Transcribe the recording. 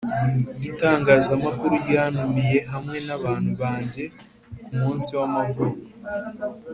itangazamakuru ryantumiye hamwe nabantu banjye ku munsi w’amavuko